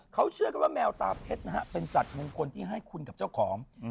เขาเชื่อกันว่าแมวตาเพชรนะฮะเป็นสัตว์มงคลที่ให้คุณกับเจ้าของ